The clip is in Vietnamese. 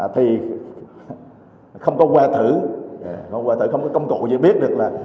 thì không có qua thử không có công cụ gì biết được là